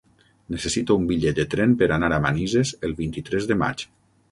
Necessito un bitllet de tren per anar a Manises el vint-i-tres de maig.